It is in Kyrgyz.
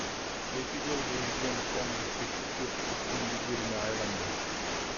Эки гол киргизген соң бишкектик клуб топтун лидерине айланды.